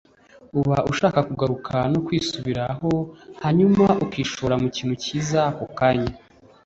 uba ushaka kugaruka no kwisubiraho hanyuma ukishora mu kintu cyiza ako kanya